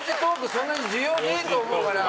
そんなに需要ねえと思うから。